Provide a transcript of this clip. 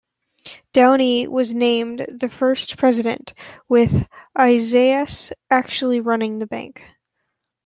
Downey was named the first president, with Isaias actually running the bank.